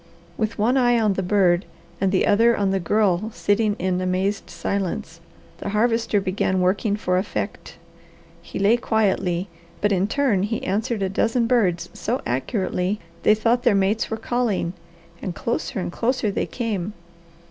With one eye on the bird, and the other on the Girl sitting in amazed silence, the Harvester began working for effect. He lay quietly, but in turn he answered a dozen birds so accurately they thought their mates were calling, and closer and closer they came.